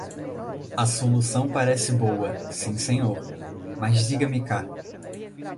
A solução parece boa, sim senhor. Mas diga-me cá